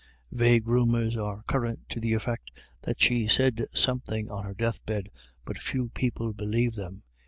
Vague rumours are current to the effect that she said something on 82 IRISH IDYLLS. her death bed, but few people believe them.